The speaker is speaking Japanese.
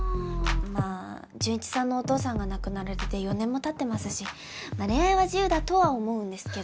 まあ潤一さんのお父さんが亡くなられて４年も経ってますし恋愛は自由だとは思うんですけど。